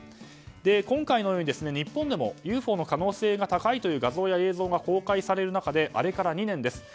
今回のように、日本でもＵＦＯの可能性が高いという画像や映像が公開される中であれから２年です。